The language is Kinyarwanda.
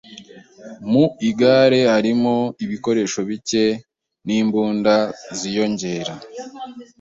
Mu igare harimo ibikoresho bike n'imbunda ziyongera.